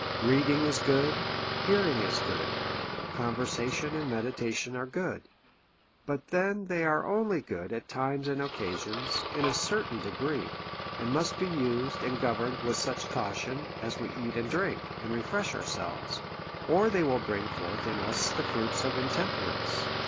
Reading is good, hearing is good, conversation and meditation are good : but then they are only good at times and occasions, in a certain degree; and must be used and governed with such caution, as we eat and drink, and refresh ourselves, or they will bring forth in us the fruits of intemperance.